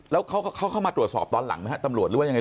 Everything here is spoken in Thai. แล้วเขาเข้าเข้าเข้ามาตรวจสอบตอนหลังไหมฮะตำลวดหรือว่ายังไง